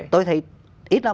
tôi thấy ít lắm